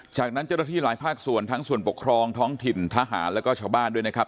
จากนั้นเจ้าหน้าที่หลายภาคส่วนทั้งส่วนปกครองท้องถิ่นทหารแล้วก็ชาวบ้านด้วยนะครับ